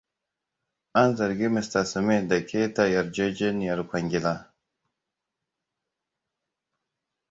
An zargi Mista Smith da keta yarjejeniyar kwangila.